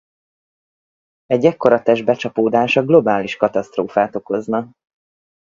Egy ekkora test becsapódása globális katasztrófát okozna.